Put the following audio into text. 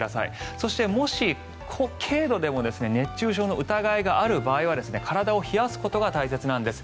そして、もし軽度でも熱中症の疑いがある場合は体を冷やすことが大切なんです。